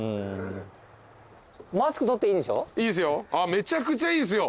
めちゃくちゃいいですよ！